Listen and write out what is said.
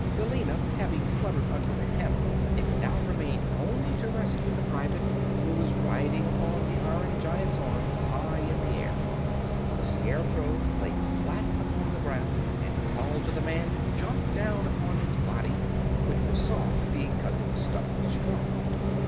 Billina having fluttered under the hammer, it now remained only to rescue the private who was riding upon the iron giant's arm, high in the air. The Scarecrow lay flat upon the ground and called to the man to jump down upon his body, which was soft because it was stuffed with straw.